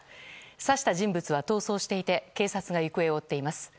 刺した人物は逃走していて警察が行方を追っています。